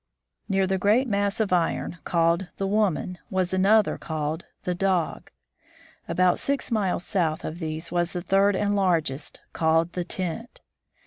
Near the great mass of iron, called " the woman," was another, called "the dog." About six miles south of these was the third and largest, called "the tent."